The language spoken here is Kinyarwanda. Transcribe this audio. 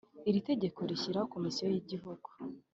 Iri tegeko rishyiraho komisiyo y igihugu